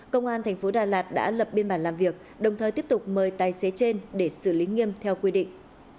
công an thành phố đà lạt đã lập biên bản làm việc đồng thời tiếp tục mời tài xế trên để xử lý nghiêm theo quy định